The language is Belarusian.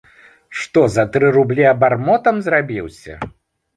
Што за тры рублі абармотам зрабіўся?!